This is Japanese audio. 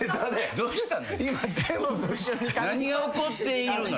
どうしたの？